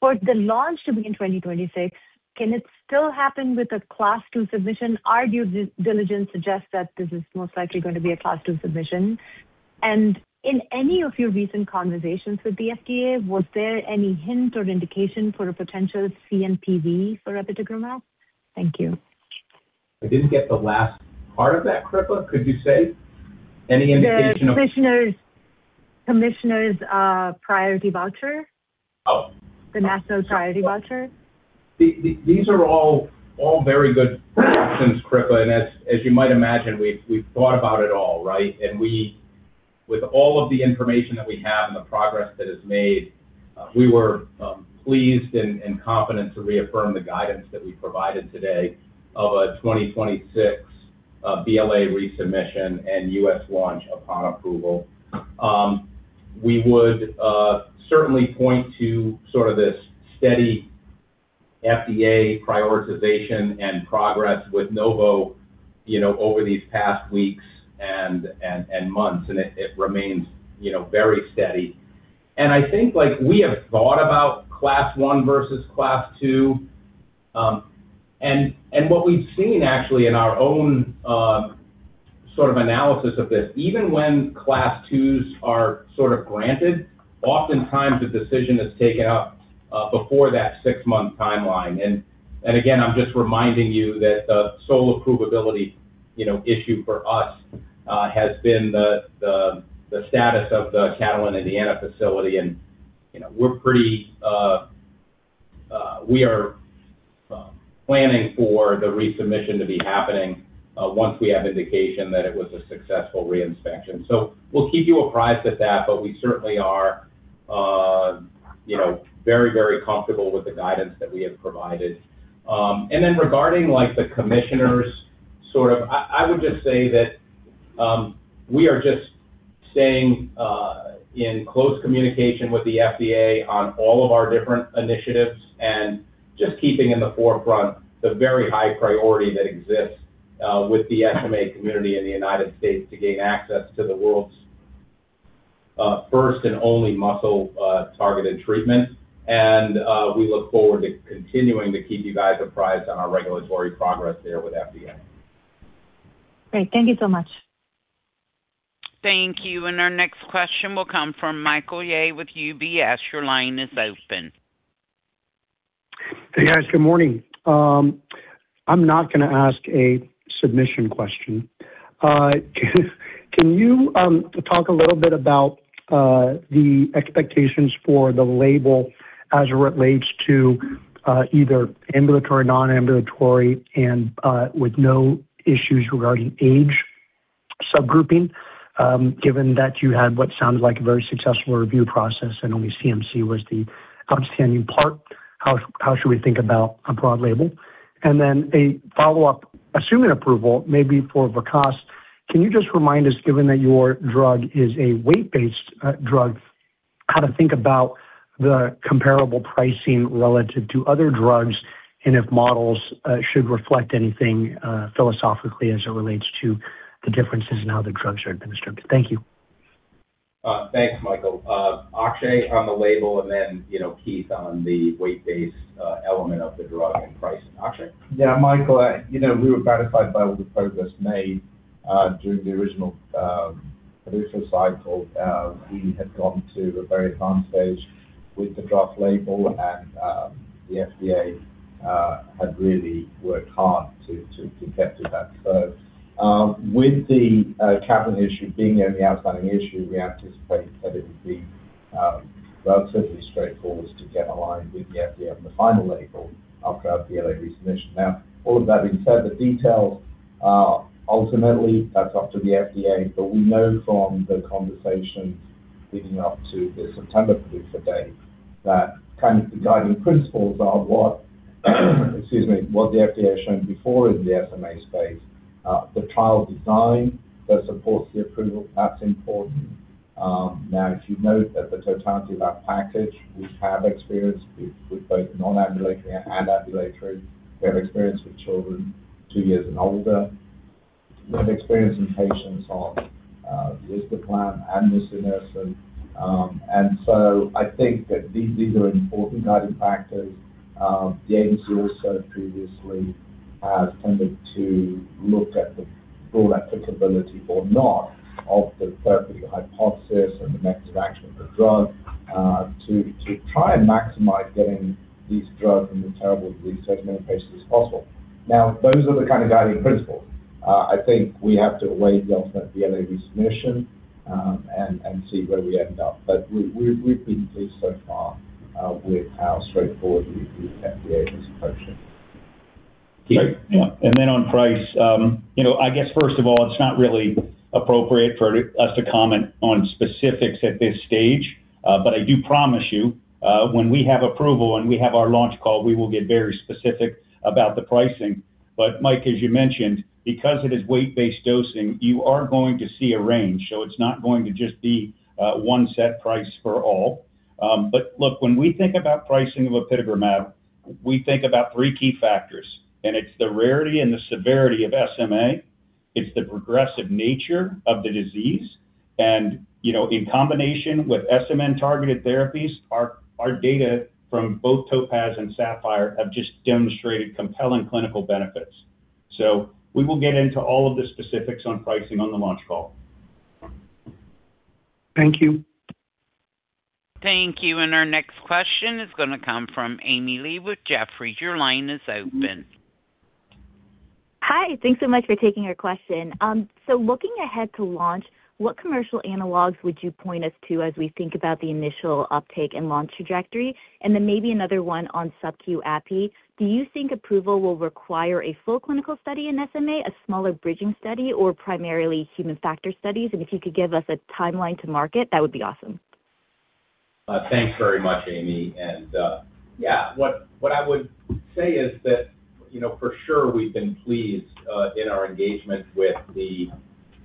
For the launch to be in 2026, can it still happen with a Class II submission? Are due diligence suggest that this is most likely going to be a Class II submission? In any of your recent conversations with the FDA, was there any hint or indication for a potential CNPV for apitegromab? Thank you. I didn't get the last part of that, Kripa. Could you say any indication of- The Commissioner's Priority Voucher. Oh. The CNPV priority voucher. These are all very good questions, Kripa. As you might imagine, we've thought about it all, right? With all of the information that we have and the progress that is made, we were pleased and confident to reaffirm the guidance that we provided today of a 2026 BLA resubmission and U.S. launch upon approval. We would certainly point to sort of this steady FDA prioritization and progress with Novo, you know, over these past weeks and months, and it remains, you know, very steady. I think, like, we have thought about Class I versus Class II. What we've seen actually in our own sort of analysis of this, even when Class IIs are sort of granted, oftentimes the decision is taken up before that six-month timeline. Again, I'm just reminding you that the sole approvability, you know, issue for us, has been the status of the Catalent Indiana facility. We are planning for the resubmission to be happening once we have indication that it was a successful re-inspection. We'll keep you apprised of that, but we certainly are, you know, very, very comfortable with the guidance that we have provided. Regarding, like, the Commissioner's sort of... I would just say that we are just staying in close communication with the FDA on all of our different initiatives and just keeping in the forefront the very high priority that exists with the SMA community in the United States to gain access to the world's first and only muscle targeted treatment. We look forward to continuing to keep you guys apprised on our regulatory progress there with FDA. Great. Thank you so much. Thank you. Our next question will come from Michael Yeh with UBS. Your line is open. Hey, guys. Good morning. I'm not gonna ask a submission question. Can you talk a little bit about the expectations for the label as it relates to either ambulatory, non-ambulatory and with no issues regarding age subgrouping, given that you had what sounded like a very successful review process and only CMC was the outstanding part? How should we think about a broad label? A follow-up, assuming approval maybe for Wegovy, can you just remind us, given that your drug is a weight-based drug, how to think about the comparable pricing relative to other drugs and if models should reflect anything philosophically as it relates to the differences in how the drugs are administered? Thank you. Thanks, Michael. Akshay on the label and then, you know, Keith on the weight-based element of the drug and pricing. Akshay. Yeah. Michael, you know, we were gratified by all the progress made during the original producer cycle. We had gotten to a very advanced stage with the draft label and the FDA had really worked hard to get to that. With the Catalent issue being the only outstanding issue, we anticipate that it would be relatively straightforward to get aligned with the FDA on the final label after our BLA resubmission. All of that being said, the details are ultimately that's up to the FDA. We know from the conversations leading up to the September producer date that kind of the guiding principles are what, excuse me, what the FDA has shown before in the SMA space, the trial design that supports the approval, that's important. If you note that the totality of our package, we have experience with both non-ambulatory and ambulatory. We have experience with children two years and older. We have experience in patients on risdiplam and nusinersen. I think that these are important guiding factors. The agency also previously has tended to look at the full applicability or not of the therapy hypothesis and the mechanism of action of the drug to try and maximize getting this drug in the terrible research patient as possible. Those are the kind of guiding principles. I think we have to await the ultimate BLA resubmission and see where we end up. We've been pleased so far with how straightforward we have the agency approached it. Yeah. Then on price, you know, I guess first of all, it's not really appropriate for us to comment on specifics at this stage. I do promise you, when we have approval and we have our launch call, we will get very specific about the pricing. Mike, as you mentioned, because it is weight-based dosing, you are going to see a range. It's not going to just be, one set price for all. Look, when we think about pricing of apitegromab, we think about three key factors, and it's the rarity and the severity of SMA. It's the progressive nature of the disease. You know, in combination with SMN-targeted therapies, our data from both TOPAZ and SAPPHIRE have just demonstrated compelling clinical benefits. We will get into all of the specifics on pricing on the launch call. Thank you. Thank you. Our next question is gonna come from Amy Lee with Jefferies. Your line is open. Hi. Thanks so much for taking our question. Looking ahead to launch, what commercial analogs would you point us to as we think about the initial uptake and launch trajectory? Maybe another one on subcu API. Do you think approval will require a full clinical study in SMA, a smaller bridging study, or primarily human factor studies? If you could give us a timeline to market, that would be awesome. Thanks very much, Amy. Yeah. What I would say is that, you know, for sure we've been pleased in our engagement with the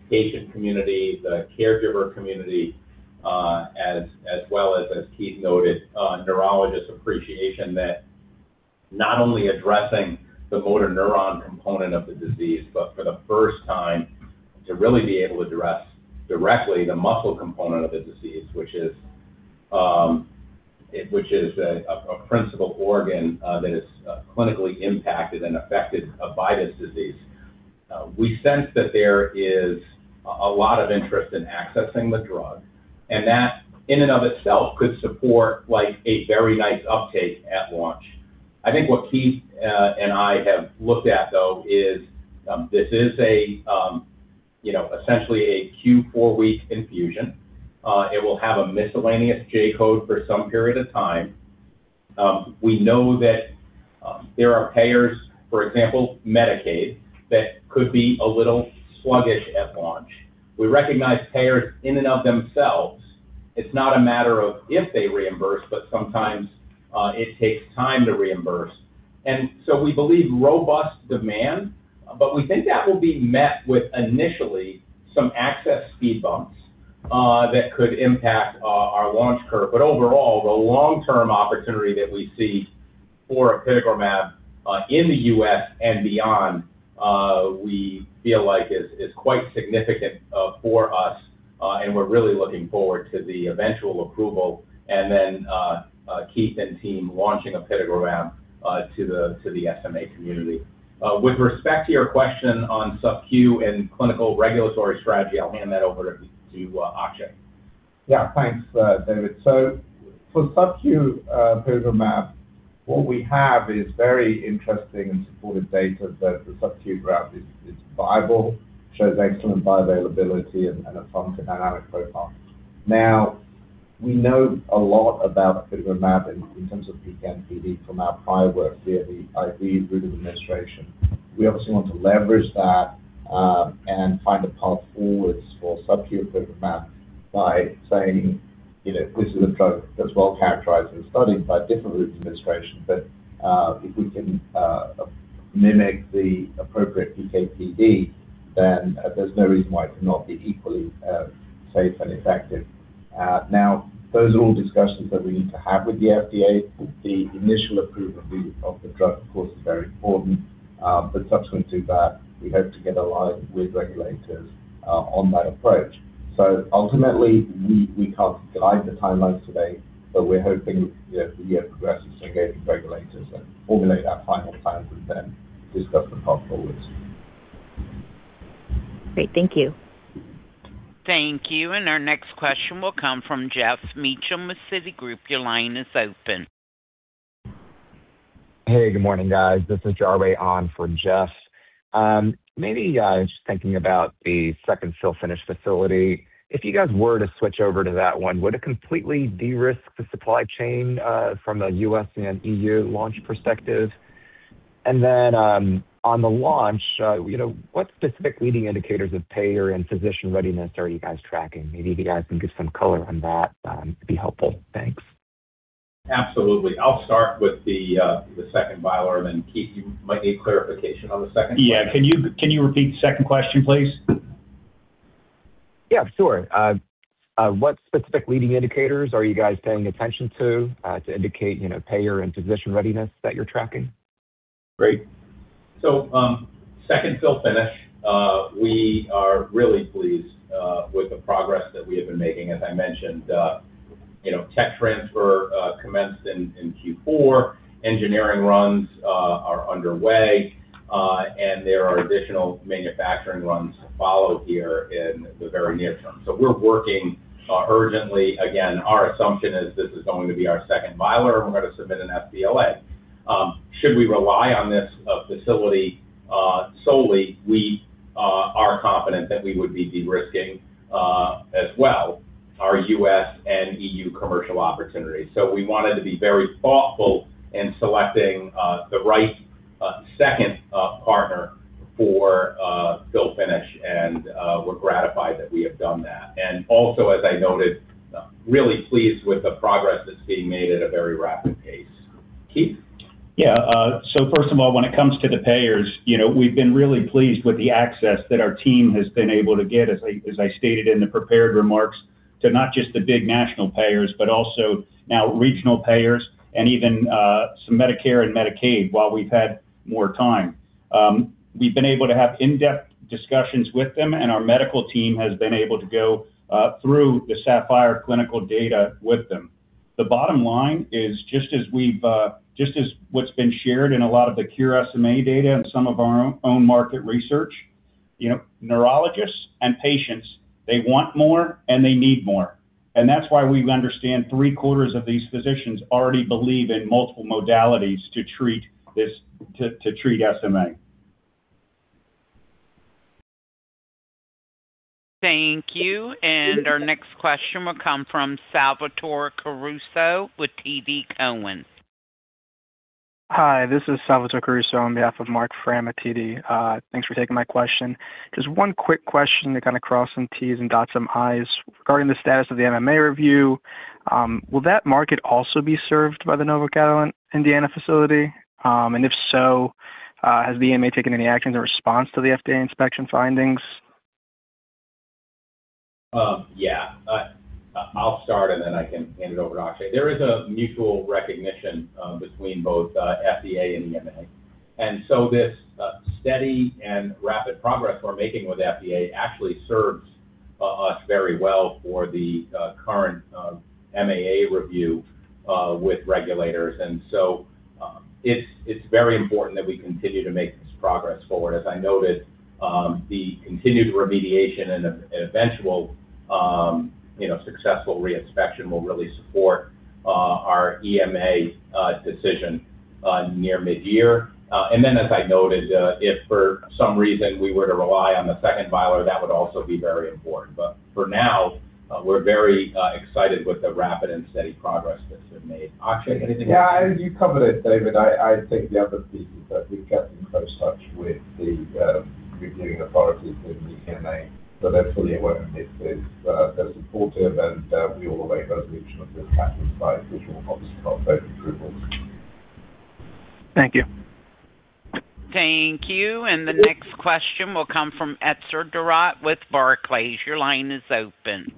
patient community, the caregiver community, as well as Keith noted, neurologists' appreciation that not only addressing the motor neuron component of the disease, but for the first time, to really be able to address directly the muscle component of the disease, which is a principal organ that is clinically impacted and affected by this disease. We sense that there is a lot of interest in accessing the drug, and that in and of itself could support, like, a very nice uptake at launch. I think what Keith and I have looked at, though, is, this is a, you know, essentially a Q4-week infusion. It will have a miscellaneous J-code for some period of time. We know that there are payers, for example, Medicaid, that could be a little sluggish at launch. We recognize payers in and of themselves. It's not a matter of if they reimburse, but sometimes it takes time to reimburse. We believe robust demand, but we think that will be met with initially some access speed bumps that could impact our launch curve. Overall, the long-term opportunity that we see for apitegromab in the U.S. and beyond, we feel like is quite significant for us, and we're really looking forward to the eventual approval and then Keith and team launching apitegromab to the SMA community. With respect to your question on subcu and clinical regulatory strategy, I'll hand that over to Akshay. Yeah. Thanks, David. For subcu apitegromab, what we have is very interesting and supportive data that the subcu route is viable, shows excellent bioavailability and a pharmacodynamic profile. We know a lot about apitegromab in terms of PK/PD from our prior work via the IV route of administration. We obviously want to leverage that and find a path forward for subcu apitegromab by saying, you know, this is a drug that's well-characterized in studies by different routes of administration. If we can mimic the appropriate PK/PD, then there's no reason why it cannot be equally safe and effective. Those are all discussions that we need to have with the FDA. The initial approval of the drug, of course, is very important. Subsequent to that, we hope to get aligned with regulators on that approach. Ultimately, we can't guide the timelines today, but we're hoping that we have progressive engagement with regulators and formulate our final plans and then discuss the path forward. Great. Thank you. Thank you. Our next question will come from Geoff Meacham with Citigroup. Your line is open. Hey, good morning, guys. This is Jaye for Geoff. Maybe, just thinking about the second fill finish facility. If you guys were to switch over to that one, would it completely de-risk the supply chain from a U.S. and EU launch perspective? On the launch, you know, what specific leading indicators of payer and physician readiness are you guys tracking? Maybe if you guys can give some color on that, it'd be helpful. Thanks. Absolutely. I'll start with the second vial, and then Keith, you might need clarification on the second. Yeah. Can you repeat the second question, please? Yeah, sure. What specific leading indicators are you guys paying attention to indicate, you know, payer and physician readiness that you're tracking? Great. second fill finish, we are really pleased with the progress that we have been making. As I mentioned, you know, tech transfer commenced in Q4. Engineering runs are underway, and there are additional manufacturing runs to follow here in the very near term. we're working urgently. Again, our assumption is this is going to be our second vial, or we're gonna submit an sBLA. Should we rely on this facility solely, we are confident that we would be de-risking as well our US and EU commercial opportunities. we wanted to be very thoughtful in selecting the right second partner for fill finish. we're gratified that we have done that. Also, as I noted, really pleased with the progress that's being made at a very rapid pace. Keith? First of all, when it comes to the payers, you know, we've been really pleased with the access that our team has been able to get, as I, as I stated in the prepared remarks, to not just the big national payers, but also now regional payers and even some Medicare and Medicaid while we've had more time. We've been able to have in-depth discussions with them, and our medical team has been able to go through the SAPPHIRE clinical data with them. The bottom line is just as what's been shared in a lot of the Cure SMA data and some of our own market research, you know, neurologists and patients, they want more and they need more. That's why we understand three-quarters of these physicians already believe in multiple modalities to treat SMA. Thank you. Our next question will come from Salvatore Caruso with TD Cowen. Hi, this is Salvatore Caruso on behalf of Marc Frahm. Thanks for taking my question. Just one quick question to kind of cross some T's and dot some I's regarding the status of the MAA review. Will that market also be served by the Catalent Indiana facility? If so, has the EMA taken any actions in response to the FDA inspection findings? Yeah. I'll start, and then I can hand it over to Akshay. There is a mutual recognition between both FDA and EMA. This steady and rapid progress we're making with FDA actually serves us very well for the current MAA review with regulators. It's very important that we continue to make this progress forward. As I noted, the continued remediation and eventual, you know, successful reinspection will really support our EMA decision near mid-year. Then as I noted, if for some reason we were to rely on the second filer, that would also be very important. For now, we're very excited with the rapid and steady progress that's been made. Akshay, anything you'd add? Yeah. You covered it, David. I think the other piece is that we've kept in close touch with the reviewing authorities in the EMA. They're fully aware of this. They're supportive. We await resolution of the Catalent's by which will obviously not vote approvals. Thank you. Thank you. The next question will come from Etzer Darout with Barclays. Your line is open.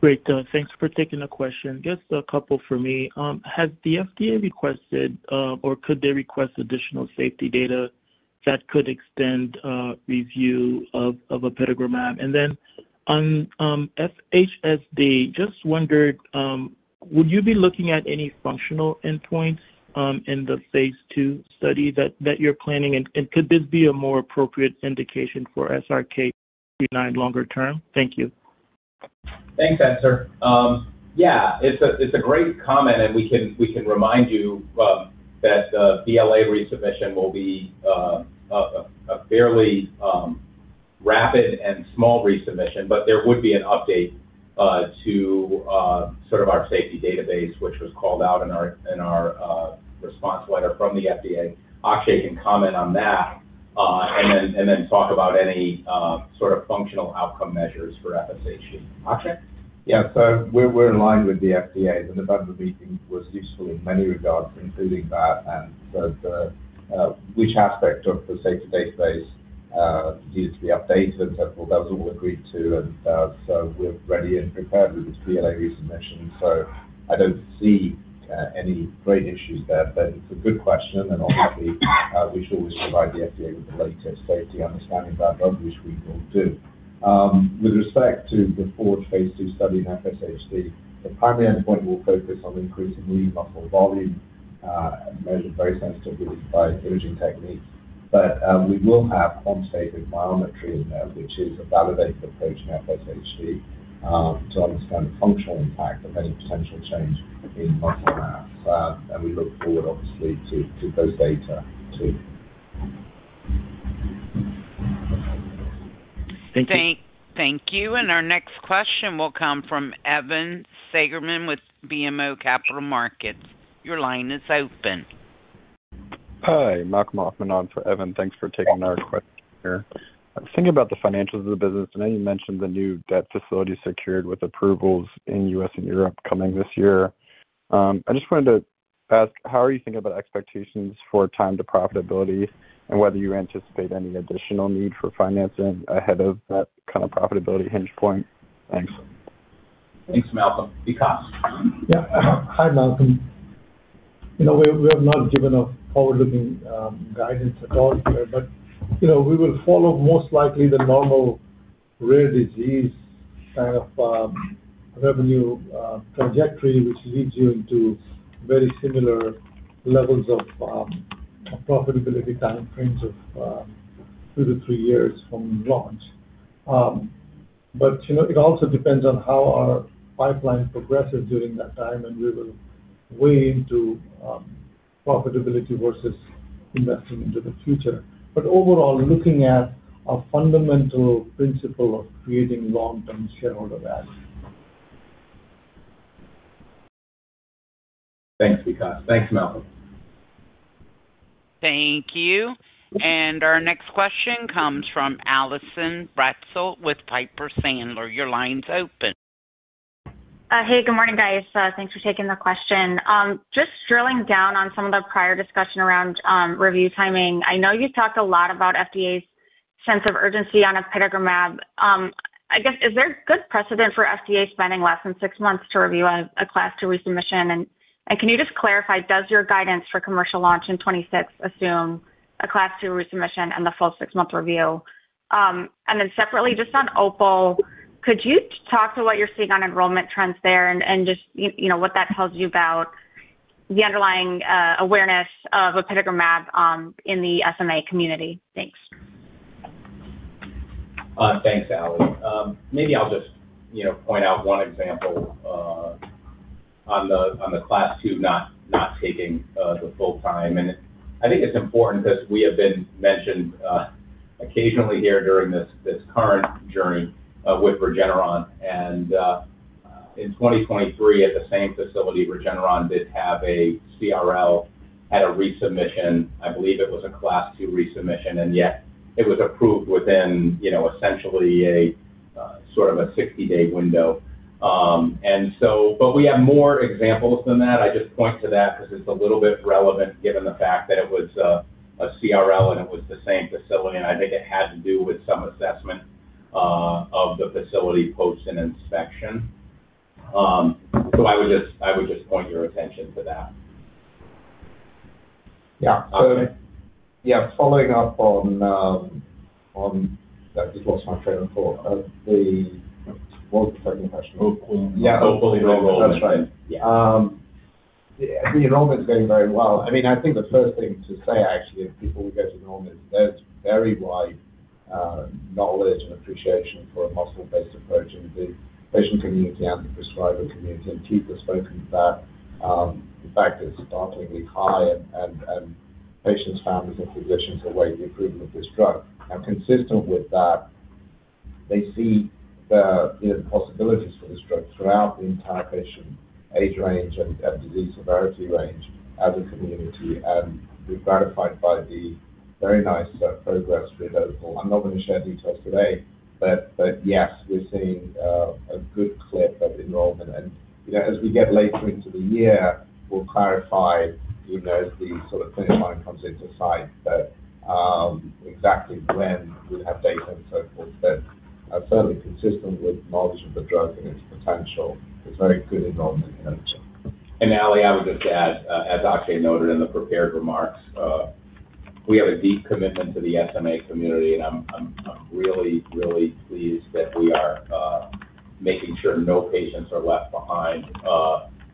Great. Thanks for taking the question. Just a couple for me. Has the FDA requested or could they request additional safety data that could extend review of upadacitinib? On FSHD, just wondered, would you be looking at any functional endpoints in the phase II study that you're planning? Could this be a more appropriate indication for SRK 29 longer term? Thank you. Thanks, Etzer. Yeah, it's a great comment, we can remind you that BLA resubmission will be a fairly rapid and small resubmission. There would be an update to sort of our safety database, which was called out in our response letter from the FDA. Akshay can comment on that, and then talk about any sort of functional outcome measures for FSHD. Akshay? Yeah. We're in line with the FDA. The November meeting was useful in many regards, including that and the which aspect of the safety database needed to be updated. Those all agreed to. We're ready and prepared with this BLA resubmission. I don't see any great issues there. It's a good question, and obviously, we should always provide the FDA with the latest safety understanding of our drug, which we will do. With respect to the forward phase II study in FSHD, the primary endpoint will focus on increasing lean muscle volume, measured very sensitively by imaging techniques. We will have on-site biomonitoring there, which is a validated approach in FSHD, to understand the functional impact of any potential change in muscle mass. We look forward obviously to those data too. Thank you. Thank you. Our next question will come from Evan Seigerman with BMO Capital Markets. Your line is open. Hi, Malcolm Hoffman on for Evan. Thanks for taking our question here. I was thinking about the financials of the business. I know you mentioned the new debt facility secured with approvals in US and Europe coming this year. I just wanted to ask, how are you thinking about expectations for time to profitability and whether you anticipate any additional need for financing ahead of that kind of profitability hinge point? Thanks. Thanks, Malcolm. Vikas? Yeah. Hi, Malcolm. You know, we have not given a forward-looking guidance at all here. You know, we will follow most likely the normal rare disease kind of revenue trajectory, which leads you into very similar levels of profitability timeframes of two to three years from launch. You know, it also depends on how our pipeline progresses during that time, and we will weigh into profitability versus investing into the future. Overall, looking at a fundamental principle of creating long-term shareholder value. Thanks, Vikas. Thanks, Malcolm. Thank you. Our next question comes from Allison Bratzel with Piper Sandler. Your line's open. Hey, good morning, guys. Thanks for taking the question. Just drilling down on some of the prior discussion around review timing. I know you've talked a lot about FDA's sense of urgency on upadacitinib. I guess, is there good precedent for FDA spending less than six months to review a Class II resubmission? Can you just clarify, does your guidance for commercial launch in 2026 assume a Class II resubmission and the full six-month review? Then separately, just on OPAL, could you talk to what you're seeing on enrollment trends there and just, you know, what that tells you about the underlying awareness of upadacimab in the SMA community? Thanks. Thanks, Ally. Maybe I'll just, you know, point out one example on the Class II not taking the full time. I think it's important 'cause we have been mentioned occasionally here during this current journey with Regeneron. In 2023 at the same facility, Regeneron did have a CRL at a resubmission. I believe it was a Class II resubmission, and yet it was approved within, you know, essentially a sort of a 60-day window. We have more examples than that. I just point to that 'cause it's a little bit relevant given the fact that it was a CRL, and it was the same facility. I think it had to do with some assessment of the facility post an inspection. I would just point your attention to that. Yeah. Okay. Yeah. Following up on, I just lost my train of thought. What was the second question? Open label enrollment. Yeah. Open label. That's right. Yeah. The enrollment's going very well. I mean, I think the first thing to say, actually, of people we get to enroll is there's very wide knowledge and appreciation for a muscle-based approach in the patient community and the prescriber community, and Pete has spoken to that. The fact it's startlingly high and patients, families, and physicians await the approval of this drug. Consistent with that, they see the, you know, possibilities for this drug throughout the entire patient age range and disease severity range as a community. We're gratified by the very nice progress we're getting. I'm not gonna share details today, but yes, we're seeing a good clip of enrollment. You know, as we get later into the year, we'll clarify, you know, as the sort of clinical trial comes into sight that exactly when we'd have data and so forth. Certainly consistent with knowledge of the drug and its potential. There's very good enrollment in it. Ally, I would just add, as Akshay Vaishnaw noted in the prepared remarks, we have a deep commitment to the SMA community. I'm really pleased that we are making sure no patients are left behind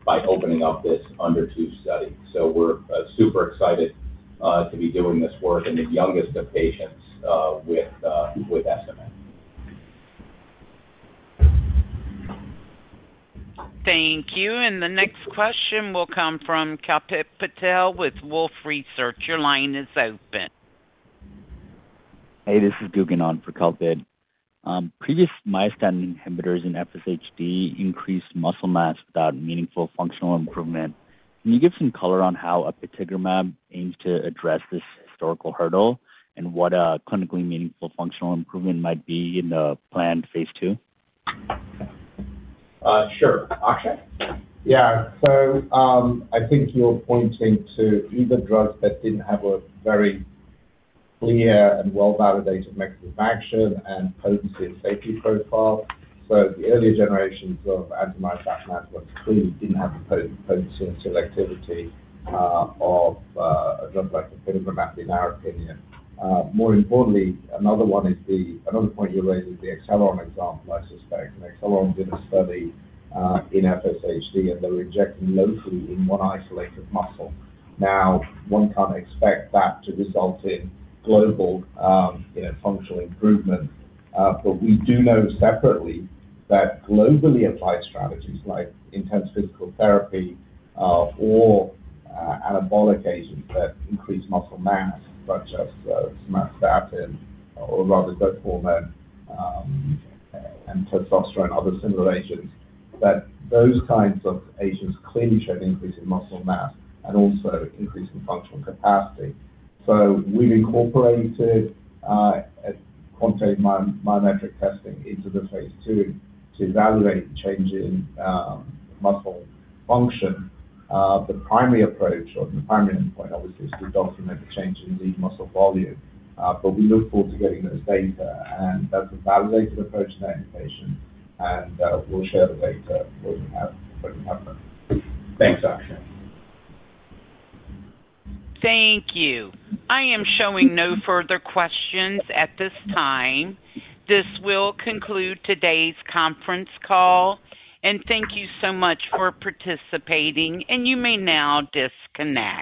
by opening up this under two study. We're super excited to be doing this work in the youngest of patients with SMA. Thank you. The next question will come from Kalpit Patel with Wolfe Research. Your line is open. Hey, this is Dugan on for Kalpit. Previous myostatin inhibitors in FSHD increased muscle mass without meaningful functional improvement. Can you give some color on how apitegromab aims to address this historical hurdle and what a clinically meaningful functional improvement might be in the planned phase II? Sure. Akshay? I think you're pointing to either drugs that didn't have a very clear and well-validated mechanism of action and potency and safety profile. The earlier generations of anti-myostatin clearly didn't have the potency and selectivity of a drug like upadacitinib, in our opinion. More importantly, another one is the Another point you raised is the Acceleron example, I suspect. Acceleron did a study in FSHD, and they were injecting locally in one isolated muscle. One can't expect that to result in global, you know, functional improvement. We do know separately that globally applied strategies like intense physical therapy, or anabolic agents that increase muscle mass, such as somatostatin or rather growth hormone, and testosterone, other similar agents, that those kinds of agents clearly show an increase in muscle mass and also increase in functional capacity. We've incorporated a quantitative myometric testing into the phase II to evaluate change in muscle function. The primary approach or the primary endpoint, obviously, is to document the change in lead muscle volume. We look forward to getting those data, and that's a validated approach in that indication, and we'll share the data when we have them. Thanks, Akshay. Thank you. I am showing no further questions at this time. This will conclude today's conference call, and thank you so much for participating, and you may now disconnect.